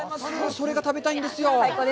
それが食べたいんですよ。